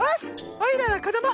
おいらはこども！